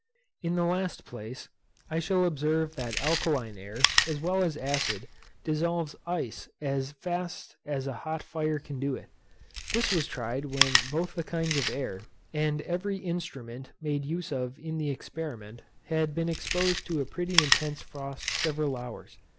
In the last place, I shall observe that alkaline air, as well as acid, dissolves ice as fast as a hot fire can do it. This was tried when both the kinds of air, and every instrument made use of in the experiment, had been exposed to a pretty intense frost several hours.